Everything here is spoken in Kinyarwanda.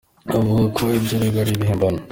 Avuga ko ibyo aregwa ari ibihimbano.